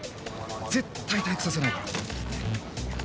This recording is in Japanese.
絶対退屈させないから。